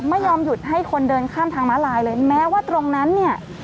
ไม่ยอมหยุดให้คนเดินข้ามทางม้าลายเลยแม้ว่าตรงนั้นเนี่ย